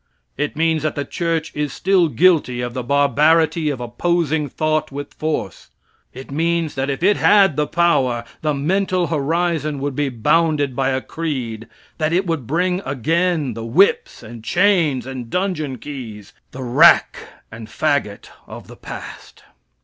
It means that the church is still guilty of the barbarity of opposing thought with force. It means that if it had the power, the mental horizon would be bounded by a creed, that it would bring again the whips, and chains, and dungeon keys, the rack and fagot of the past.